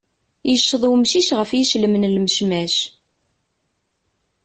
Yecceḍ umcic ɣef yiclem n lmecmac.